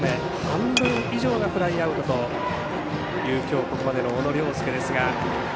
半分以上がフライアウトという今日ここまでの小野涼介ですが。